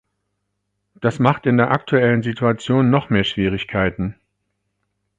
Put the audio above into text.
Das macht in der aktuellen Situation noch mehr Schwierigkeiten.